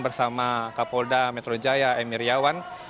bersama kapolda metro jaya emir yawan